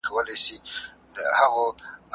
زه مېوې نه راټولوم؟!